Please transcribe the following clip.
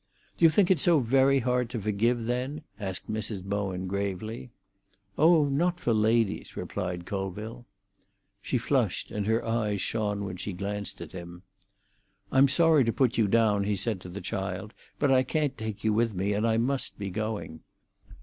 "Do you think it's so very hard to forgive, then?" asked Mrs. Bowen gravely. "Oh, not for ladies," replied Colville. She flushed, and her eyes shone when she glanced at him. "I'm sorry to put you down," he said to the child; "but I can't take you with me, and I must be going."